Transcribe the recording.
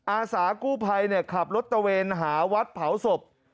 อาสากู้ภัยขับรถตะเวนหาวัดเผาศพ